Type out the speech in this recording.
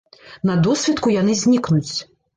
На досвітку яны знікнуць.